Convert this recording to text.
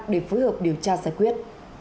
để phối hợp điều tra giải quyết